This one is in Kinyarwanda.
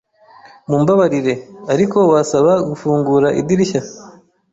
Mumbabarire, ariko wasaba gufungura idirishya?